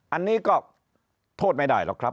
อันนี้ก็โทษไม่ได้หรอกครับ